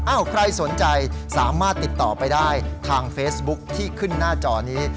ใครสนใจสามารถติดต่อไปได้ทางเฟซบุ๊คที่ขึ้นหน้าจอนี้